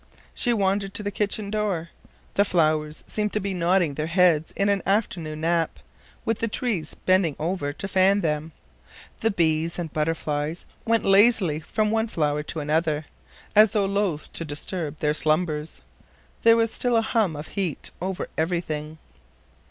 She wandered to the kitchen door. The flowers seemed to be nodding their heads in an afternoon nap, with the trees bending over to fan them. The bees and butterflies went lazily from one flower to another, as though loth to disturb their slumbers. There was a still hum of heat over everything.